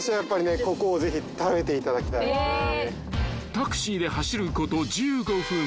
［タクシーで走ること１５分］